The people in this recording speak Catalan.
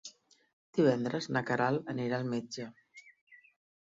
Divendres na Queralt anirà al metge.